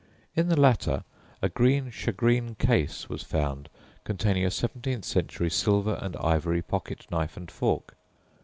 In the latter a green shagreen case was found containing a seventeenth century silver and ivory pocket knife and fork.